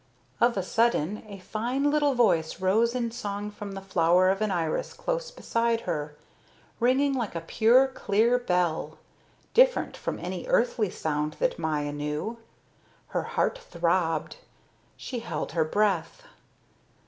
Of a sudden a fine little voice rose in song from the flower of an iris close beside her, ringing like a pure, clear bell, different from any earthly sound that Maya knew. Her heart throbbed, she held her breath.